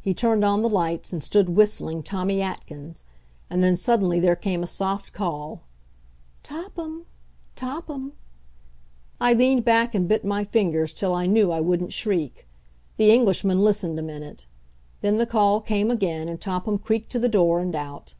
He turned on the lights, and stood whistling Tommy Atkins. And then suddenly there came a soft call, "Topham! Topham!" I leaned back and bit my fingers till I knew I wouldn't shriek. The Englishman listened a minute. Then the call came again, and Topham creaked to the door and out.